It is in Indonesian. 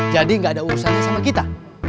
jadi gak ada urusannya sama kita